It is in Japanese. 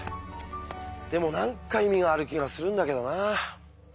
でも何か意味がある気がするんだけどなあ。